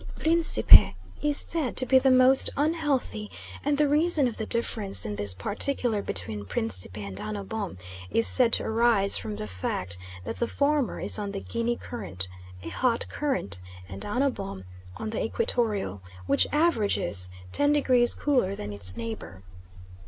Principe is said to be the most unhealthy, and the reason of the difference in this particular between Principe and Anno Bom is said to arise from the fact that the former is on the Guinea Current a hot current and Anno Bom on the Equatorial, which averages 10 degree cooler than its neighbour.